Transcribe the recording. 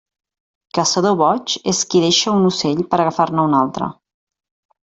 Caçador boig és qui deixa un ocell per agafar-ne un altre.